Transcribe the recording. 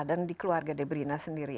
dan di keluarga debrina sendiri